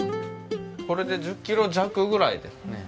これで１０キロ弱ぐらいですね。